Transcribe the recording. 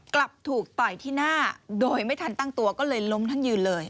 กลับถูกต่อยที่หน้าโดยไม่ทันตั้งตัวก็เลยล้มทั้งยืนเลย